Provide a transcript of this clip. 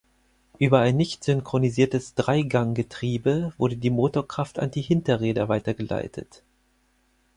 Über ein nicht synchronisiertes Dreiganggetriebe wurde die Motorkraft an die Hinterräder weitergeleitet.